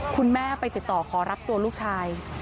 คุณแม่ไปติดต่อขอรับตัวลูกชาย